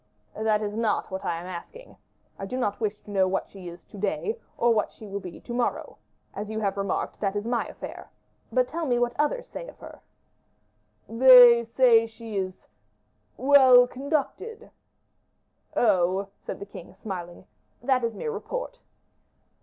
"That is not what I am asking. I do not wish to know what she is to day, or what she will be to morrow; as you have remarked, that is my affair. But tell me what others say of her." "They say she is well conducted." "Oh!" said the king, smiling, "that is mere report."